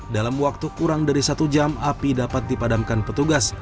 dalam waktu kurang dari satu jam api dapat dipadamkan petugas